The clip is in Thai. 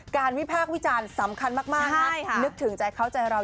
วิพากษ์วิจารณ์สำคัญมากนะนึกถึงใจเขาใจเรา